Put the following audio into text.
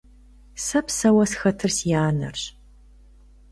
Сэ псэуэ схэтыр си анэрщ.